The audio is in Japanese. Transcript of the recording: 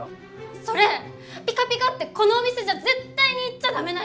それピカピカってこのお店じゃ絶対に言っちゃダメなやつぅ。